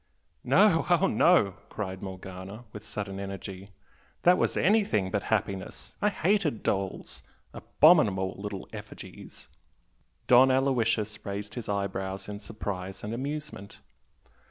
"No, oh no!" cried Morgana, with sudden energy "That was anything but happiness! I hated dolls! abominable little effigies!" Don Aloysius raised his eyebrows in surprise and amusement.